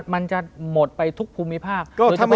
มันจะหมดไปทุกภูมิภาค